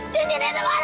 diri dxu mahnn